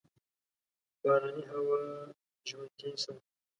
باراني هوا ژوندي ساتي.